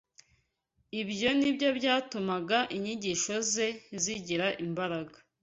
Ibyo ni byo byatumaga inyigisho ze zigira imbaraga.